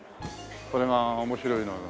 これが面白いのよ。